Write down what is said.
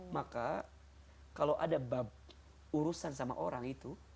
maka kalau ada urusan sama orang itu